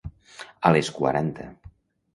A les quaranta.